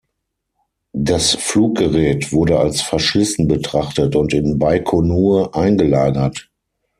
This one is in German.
Das Fluggerät wurde als verschlissen betrachtet und in Baikonur eingelagert.